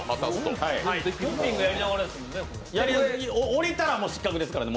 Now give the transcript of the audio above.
降りたら失格ですからね。